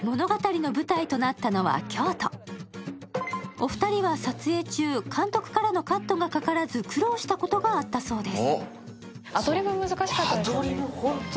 お二人は撮影中、監督からのカットがかからず苦労したことがあったそうです。